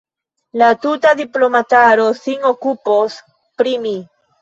La tuta diplomataro sin okupos pri mi.